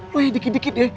lo ya dikit dikit ya